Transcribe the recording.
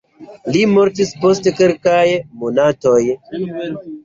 Li mortis post kelkaj monatoj.